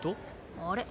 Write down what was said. あれ？